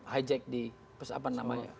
hijack di apa namanya